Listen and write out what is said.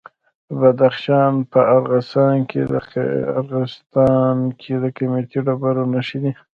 د بدخشان په راغستان کې د قیمتي ډبرو نښې دي.